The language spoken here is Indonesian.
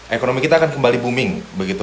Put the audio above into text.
ekonomi kita akan kembali booming begitu